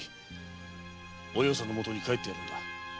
お葉さんのもとに帰ってやるんだ。